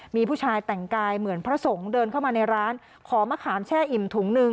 มีผู้ชายแต่งกายเหมือนพระสงฆ์เดินเข้ามาในร้านขอมะขามแช่อิ่มถุงหนึ่ง